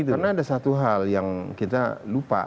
karena ada satu hal yang kita lupa